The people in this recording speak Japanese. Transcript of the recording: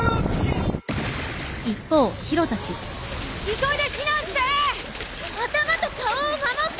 急いで避難して！